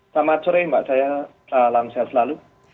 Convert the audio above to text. selamat sore mbak saya salam sehat selalu